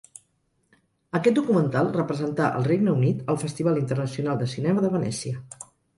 Aquest documental representà el Regne Unit al Festival Internacional de Cinema de Venècia.